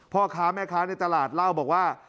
พ่อค้าแม่ค้าในตลาดเล่าบอกว่า